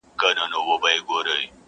د لوی ځنګله پر څنډه!!